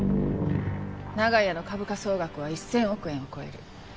長屋の株価総額は１０００億円を超える。